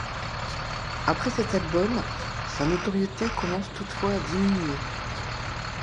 Après cet album, sa notoriété commence toutefois à diminuer.